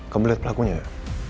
kamu liat pelakunya ya